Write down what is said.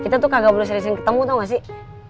kita tuh kagak boleh sering sering ketemu tau gak sih